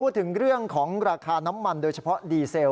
พูดถึงเรื่องของราคาน้ำมันโดยเฉพาะดีเซล